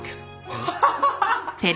ハハハハ！